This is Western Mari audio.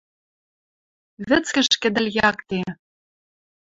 Вӹцкӹж кӹдӓл якте.